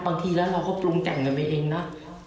บางทีแล้วเราก็ปรุงแต่งกันไปเองนะ